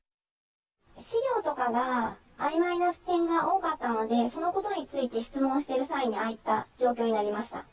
資料とかが、あいまいな点が多かったので、そのことについて質問してる際に、ああいった状況になりました。